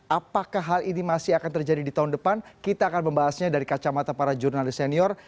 apakah hal ini masih akan terjadi di tahun depan kita akan membahasnya dari kacamata para jurnalis senior